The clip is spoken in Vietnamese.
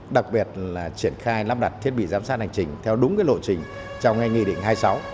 đặc biệt là triển khai lắp đặt thiết bị giám sát hành trình theo đúng lộ trình trong ngay nghị định hai mươi sáu